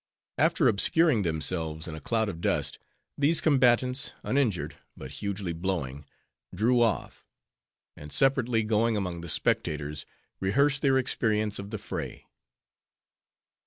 After obscuring themselves in a cloud of dust, these combatants, uninjured, but hugely blowing, drew off; and separately going among the spectators, rehearsed their experience of the fray.